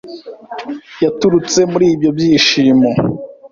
yaturutse muri ibyo byishimo